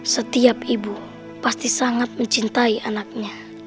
setiap ibu pasti sangat mencintai anaknya